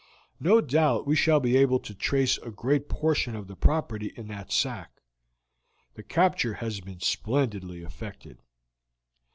No doubt we shall be able to trace a great portion of the property in that sack. The capture has been splendidly effected."